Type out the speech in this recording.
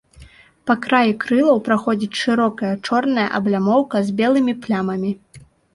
Па краі крылаў праходзіць шырокая чорная аблямоўка з белымі плямамі.